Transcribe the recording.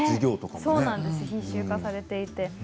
必修化されています。